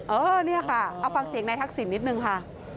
เออเนี่ยค่ะเอาฟังเสียงนายทักษิณนิดนึงค่ะ